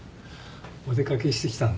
お出掛けしてきたんだね。